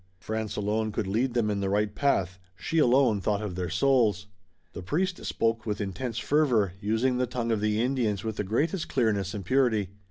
France alone could lead them in the right path, she alone thought of their souls. The priest spoke with intense fervor, using the tongue of the Indians with the greatest clearness and purity.